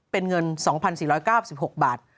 เป็นเงิน๒๔๙๖บาท